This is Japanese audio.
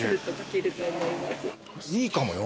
いいかもよ。